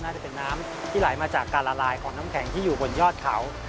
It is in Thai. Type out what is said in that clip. น่าจะเป็นน้ำที่ไหลมาจากการละลายของน้ำแข็งที่อยู่บนยอดเขา